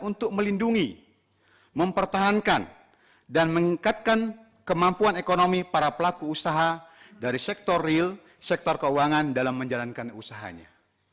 untuk melindungi mempertahankan dan meningkatkan kemampuan ekonomi para pelaku usaha dari sektor real sektor keuangan dalam menjalankan usahanya